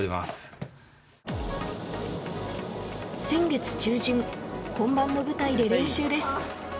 先月中旬本番の舞台で練習です